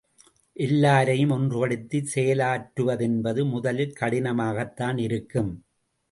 எல்லாரையும் ஒன்றுபடுத்திச் செயலாற்றுவதென்பது முதலில் கடினமாகத்தான் இருக்கும்.